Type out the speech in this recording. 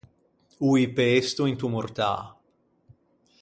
O î pesto into mortâ.